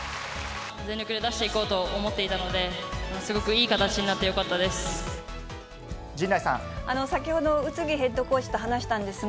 全力で出していこうと思っていたので、すごくいい形になってよかったです。